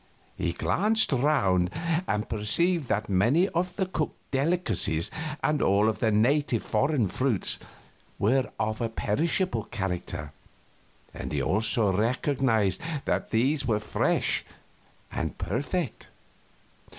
He glanced around and perceived that many of the cooked delicacies and all of the native and foreign fruits were of a perishable character, and he also recognized that these were fresh and perfect.